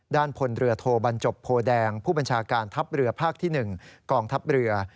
พลเรือโทบรรจบโพแดงผู้บัญชาการทัพเรือภาคที่๑กองทัพเรือ